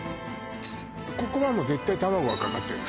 ここはもう絶対卵はかかってんの？